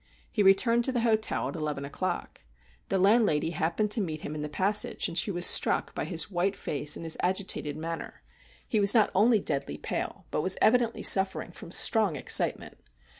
He returned to the hotel at eleven o'clock. The landlady happened to meet him in the passage, and she was struck by his white face and his agitated manner. He was not only deadly pale, but was evi dently suffering from strong excitement.